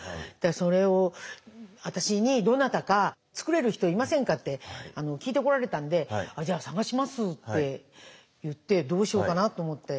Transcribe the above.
それを私に「どなたか作れる人いませんか？」って聞いてこられたんで「じゃあ探します」って言ってどうしようかなと思って。